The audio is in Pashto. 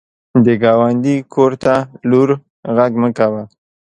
د ګاونډي کور ته لوړ غږ مه کوه